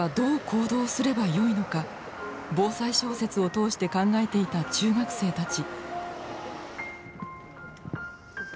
「防災小説」を通して考えていた中学生たち。